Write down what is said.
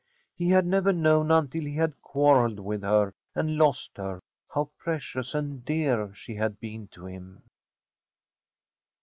He had never known until he had quarrelled with her and lost her how precious and dear she had been to him.